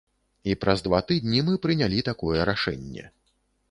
І праз два тыдні мы прынялі такое рашэнне.